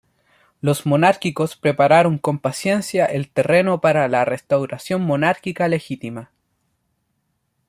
Los monárquicos prepararon con paciencia el terreno para la restauración monárquica legítima.